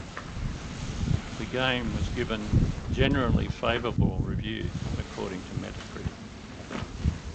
The game was given "generally favorable" reviews according to Metacritic.